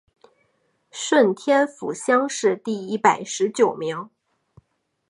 顺天府乡试第一百十九名。